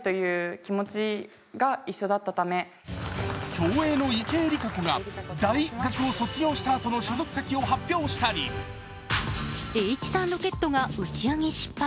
競泳の池江璃花子が大学を卒業したあとの所属先を発表したりＨ３ロケットが打ち上げ失敗。